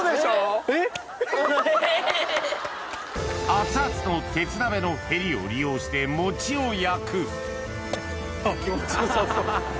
熱々の鉄鍋のへりを利用して餅を焼く気持ち良さそう。